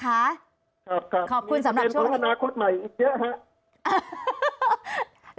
ครับมีประเทศพัฒนาควดใหม่อีกเยอะครับครับขอบคุณสำหรับช่วงอีก